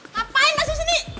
ngapain masuk sini